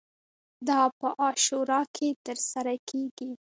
دا په عاشورا کې ترسره کیږي.